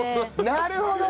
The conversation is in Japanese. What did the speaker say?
なるほど！